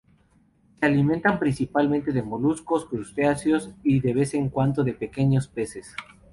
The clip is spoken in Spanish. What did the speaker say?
Se alimentan principalmente de moluscos, crustáceos, y de vez en cuando de pequeños peces.